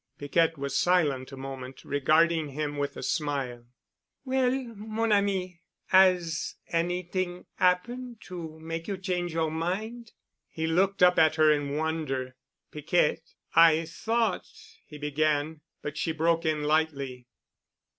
Piquette was silent a moment, regarding him with a smile. "Well, mon ami, 'as anyt'ing 'appen' to make you change your mind?" He looked up at her in wonder. "Piquette, I thought——" he began. But she broke in lightly.